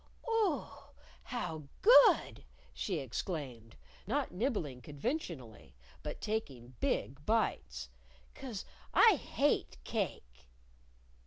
"Oo! How good!" she exclaimed, not nibbling conventionally, but taking big bites. "'Cause I hate cake!"